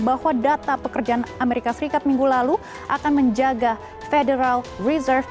bahwa data pekerjaan amerika serikat minggu lalu akan menjaga federal reserve